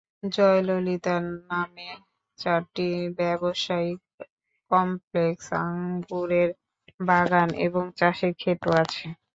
জয়ললিতার নামে চারটি ব্যবসায়িক কমপ্লেক্স, আঙুরের বাগান এবং চাষের খেতও আছে।